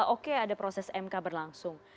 oke ada proses mk berlangsung